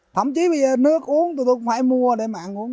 thậm chí bây giờ nước uống tụi tôi cũng phải mua để mà ăn uống